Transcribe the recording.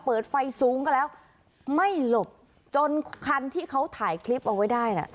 เปิดไฟสูงก็แล้วไม่หลบจนคันที่เขาถ่ายคลิปเอาไว้ได้น่ะ